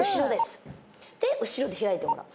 それで、後ろで開いてもらう。